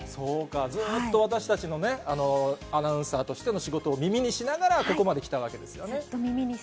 私たちのアナウンサーの仕事を耳にしながら、ここまで来たわけですね。